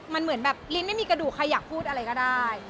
มันเหมือนแบบลิ้นไม่มีกระดูกใครอยากพูดอะไรก็ได้